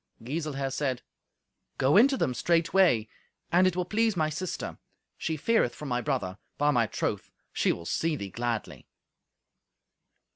Giselher said, "Go in to them straightway, and it will please my sister. She feareth for my brother; by my troth, she will see thee gladly."